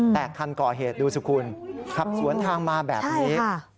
แต่คันก่อเหตุดูสิคุณขับสวนทางมาแบบนี้